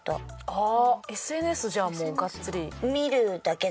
ああＳＮＳじゃあもうがっつり。